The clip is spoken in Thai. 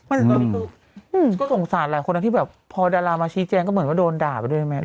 อืมก็สงสารหลายคนนะที่แบบพอดารามาชี้แจงก็เหมือนว่าโดนด่าไปด้วยไหม